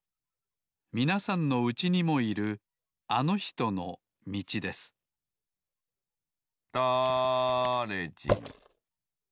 みなさんのうちにもいるあのひとのみちですだれじんだれじん